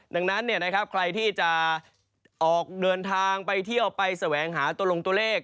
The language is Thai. ดังนั้นใครที่จะออกเวลาเดินทางไปเที่ยวออกไปแสวงหาตรงเรียงตัวเลข